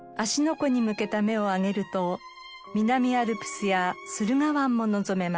湖に向けた目を上げると南アルプスや駿河湾も望めます。